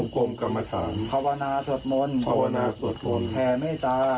ความวานะสวดมนต์แห่เมตตา